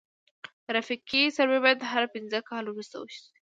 ترافیکي سروې باید هر پنځه کاله وروسته وشي